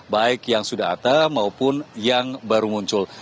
baik yang sudah ata maupun yang baru muncul